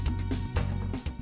hẹn gặp lại